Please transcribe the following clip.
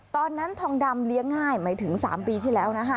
ทองดำเลี้ยงง่ายหมายถึง๓ปีที่แล้วนะคะ